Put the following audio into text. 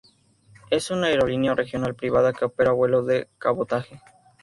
Es una aerolínea regional privada que opera vuelos de cabotaje.